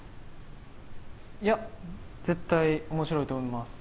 いや、絶対おもしろいと思います。